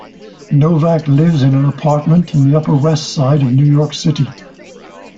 Novak lives in an apartment in the Upper West Side of New York City.